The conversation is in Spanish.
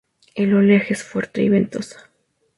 El oleaje es fuerte y ventosa.